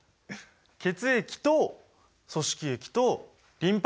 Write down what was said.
血液と組織液とリンパ液。